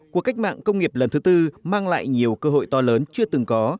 cuộc cách mạng công nghiệp lần thứ tư mang lại nhiều cơ hội to lớn chưa từng có